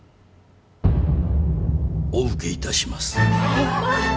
お受けいたします。